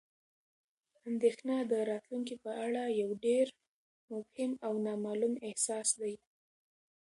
اندېښنه د راتلونکي په اړه یو ډېر مبهم او نامعلوم احساس دی.